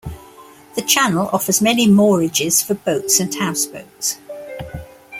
The channel offers many moorages for boats and houseboats.